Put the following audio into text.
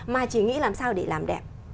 mà chỉ nghĩ làm sao để làm đẹp